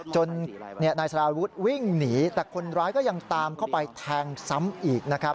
จนนายสารวุฒิวิ่งหนีแต่คนร้ายก็ยังตามเข้าไปแทงซ้ำอีกนะครับ